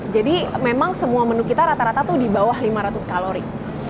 jadi memang semua menu kita rata rata tuh di bawah lima ratus kalori